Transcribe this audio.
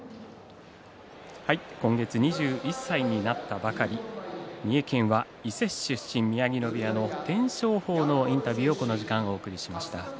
今月２１歳になったばかり三重県伊勢市出身の宮城野部屋の天照鵬のインタビューをお送りしました。